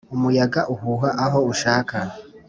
Umuyaga uhuha aho ushaka,